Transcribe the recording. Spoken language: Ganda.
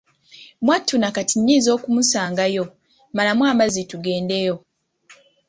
Mwattu na kati nnyinza okumusanga yo, malamu amazzi tugendeyo."